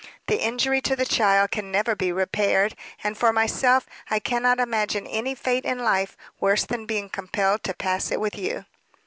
The injury to the child can never be repaired; and, for myself, I cannot imagine any fate in life worse than being compelled to pass it with you."